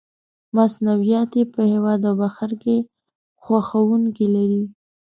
مصنوعات یې په هېواد او بهر کې خوښوونکي لري.